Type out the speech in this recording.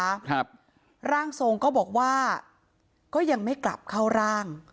ครับร่างทรงก็บอกว่าก็ยังไม่กลับเข้าร่าง